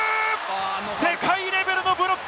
世界レベルのブロック！